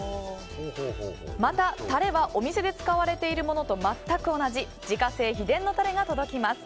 またタレはお店で使われているものと全く同じ自家製秘伝のタレが届きます。